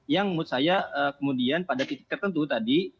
yang menurut saya kemudian pada titik tertentu tadi